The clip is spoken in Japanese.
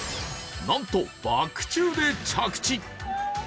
なんとバク宙で着地。